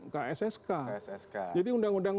kssk jadi undang undang